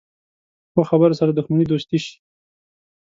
ښو خبرو سره دښمني دوستي شي.